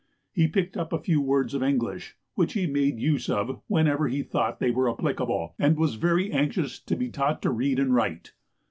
He picked up a few words of English, which he made use of whenever he thought they were applicable, and was very anxious to be taught to read and write.